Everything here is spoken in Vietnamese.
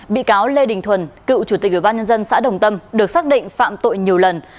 bị cáo lê đình thuần cựu chủ tịch ủy ban nhân dân xã đồng tâm được xác định phạm tội nhiều lần